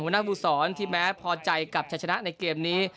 หัวหน้าบุษรที่แม้พอใจกับจะชนะในเกมนี้